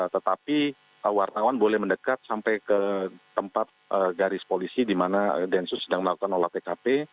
tetapi wartawan boleh mendekat sampai ke tempat garis polisi di mana densus sedang melakukan olah tkp